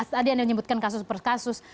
tadi anda menyebutkan kasus per kasus